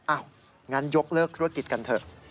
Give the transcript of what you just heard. งั้นยกเลิกธุรกิจกันเถอะ